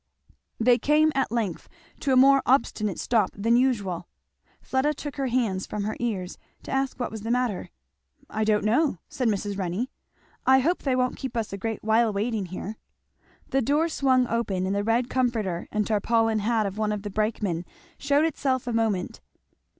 They came at length to a more obstinate stop than usual. Fleda took her hands from her ears to ask what was the matter. "I don't know," said Mrs. Renney. "I hope they won't keep us a great while waiting here." The door swung open and the red comforter and tarpaulin hat of one of the brakemen shewed itself a moment.